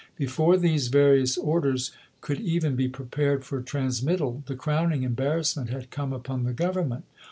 Before these various orders could even be prepared for trans mittal, the crowning embarrassment had come upon the Government.